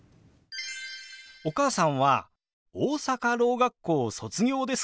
お母さんは大阪ろう学校卒業ですか？